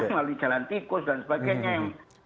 melalui jalan tikus dan sebagainya yang